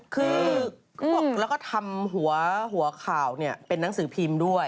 คือเขาบอกแล้วก็ทำหัวข่าวเป็นนังสือพิมพ์ด้วย